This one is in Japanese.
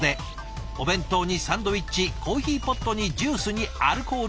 お弁当にサンドイッチコーヒーポットにジュースにアルコール。